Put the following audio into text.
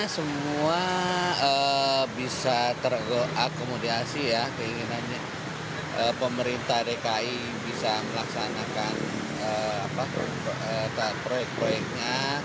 semua bisa terakomodasi ya keinginannya pemerintah dki bisa melaksanakan proyek proyeknya